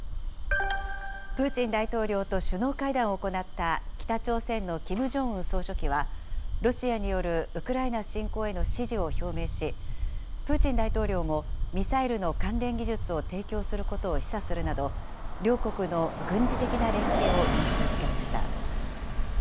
プーチン大統領と首脳会談を行った北朝鮮のキム・ジョンウン総書記は、ロシアによるウクライナ侵攻への支持を表明し、プーチン大統領もミサイルの関連技術を提供することを示唆するなど、両国の軍事的な連携を印象づけました。